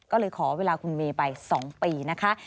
ก็เลยขอเวลาคุณเมย์ไป๒ปีนะคะ